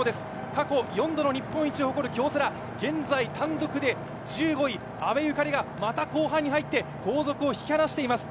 過去４度の日本一を誇る京セラ、現在単独で１５位、阿部有香里がまた、後半に入って後続を引き離しています。